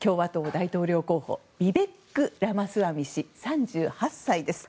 大統領候補ビベック・ラマスワミ氏３８歳です。